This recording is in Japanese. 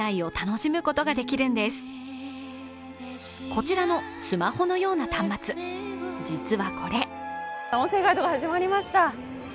こちらのスマホのような端末、実はこれ音声ガイドが始まりました。